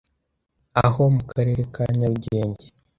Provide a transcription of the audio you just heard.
aho mu Karere ka Nyarugenge.